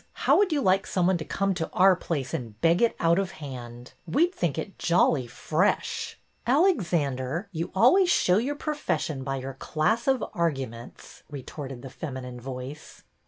How would you like some one to come to our place and beg it out of hand? We 'd think it jolly fresh." Alexander, you always show your profession PRESERVES 121 by your class of arguments/^ retorted the feminine voice.